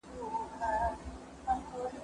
زه له سهاره ليکلي پاڼي ترتيب کوم!